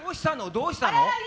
どうしたの？